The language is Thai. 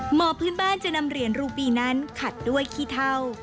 หมอพื้นบ้านจะนำเหรียญรูปีนั้นขัดด้วยขี้เท่า